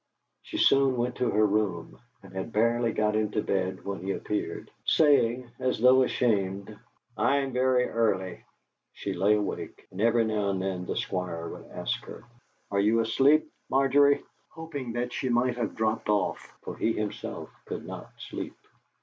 She soon went to her room, and had barely got into bed when he appeared, saying as though ashamed: "I'm very early." She lay awake, and every now and then the Squire would ask her, "Are you asleep, Margery?" hoping that she might have dropped off, for he himself could not sleep.